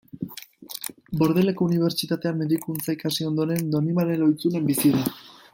Bordeleko Unibertsitatean medikuntza ikasi ondoren, Donibane Lohizunen bizi da.